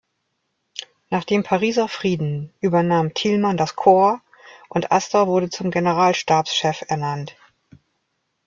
Nach dem Pariser Frieden übernahm Thielmann das Korps und Aster wurde zum Generalstabschef ernannt.